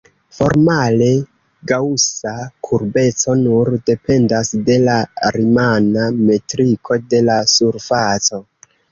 Formale, gaŭsa kurbeco nur dependas de la rimana metriko de la surfaco.